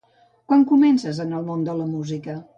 Quan comences en el món de la música?